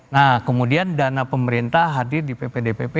nah kemudian dana pemerintah hadir di ppdpp